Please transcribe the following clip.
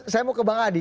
saya mau ke bang adi